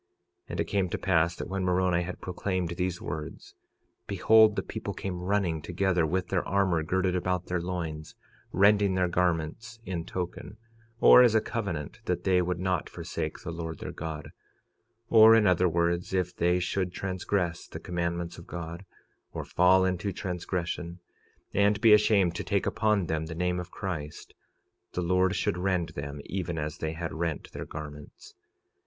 46:21 And it came to pass that when Moroni had proclaimed these words, behold, the people came running together with their armor girded about their loins, rending their garments in token, or as a covenant, that they would not forsake the Lord their God; or, in other words, if they should transgress the commandments of God, or fall into transgression, and be ashamed to take upon them the name of Christ, the Lord should rend them even as they had rent their garments.